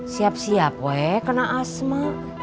siap siap we kena asma